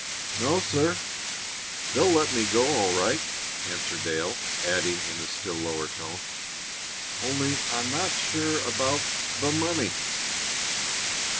"N o, sir. They'll let me go all right," answered Dale, adding, in a still lower tone, "only I I'm not sure about the money."